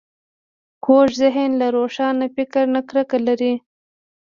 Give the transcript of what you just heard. کوږ ذهن له روښان فکر نه کرکه لري